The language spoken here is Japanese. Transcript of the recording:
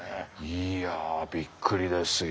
いやびっくりですよ。